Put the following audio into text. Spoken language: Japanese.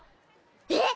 えっ？